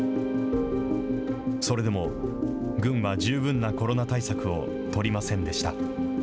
それでも、軍は十分なコロナ対策を取りませんでした。